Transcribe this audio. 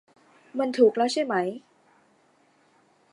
มันถูกแล้วใช่ไหม